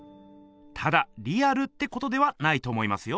ただリアルってことではないと思いますよ。